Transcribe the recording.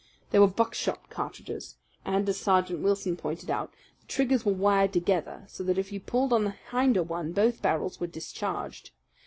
They were buckshot cartridges, and, as Sergeant Wilson pointed out, the triggers were wired together so that, if you pulled on the hinder one, both barrels were discharged.